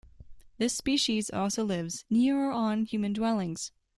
This species also lives near or on human dwellings.